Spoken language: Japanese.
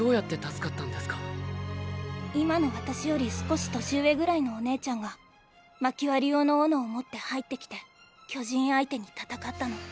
今の私より少し年上ぐらいのお姉ちゃんが薪割り用の斧を持って入って来て巨人相手に戦ったの。